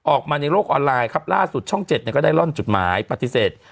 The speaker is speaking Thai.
ในโลกออนไลน์ครับล่าสุดช่องเจ็ดเนี่ยก็ได้ร่อนจุดหมายปฏิเสธ